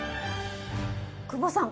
久保さん